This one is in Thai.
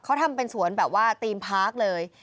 เขาทำเป็นสวนแบบว่าธีมพาร์คเลย